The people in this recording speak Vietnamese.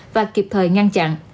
và kịp thời ngăn chặn